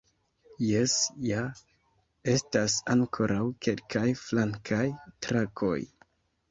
Jes ja, estas ankoraŭ kelkaj flankaj trakoj.